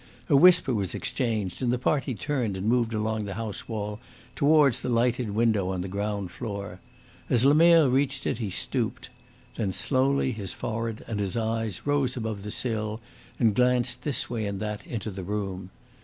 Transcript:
A whisper was exchanged, and the party turned and moved along the house wall towards the lighted window on the ground floor. As Lemerre reached it he stooped. Then slowly his forehead and his eyes rose above the sill and glanced this way and that into the room.